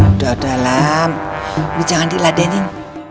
udah dalam jangan diladenin